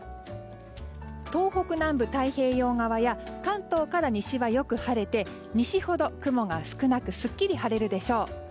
東北南部、太平洋側や関東から西はよく晴れて西ほど雲が少なくすっきり晴れるでしょう。